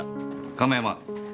亀山。